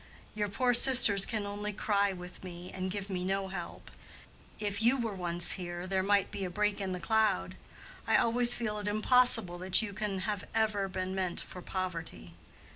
Your poor sisters can only cry with me and give me no help. If you were once here, there might be a break in the cloud—I always feel it impossible that you can have been meant for poverty.